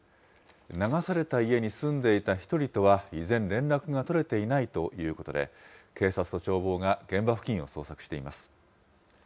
流された家に住んでいた１人とは、依然、連絡が取れていないということで、警察と消防が現場付近を捜索しています。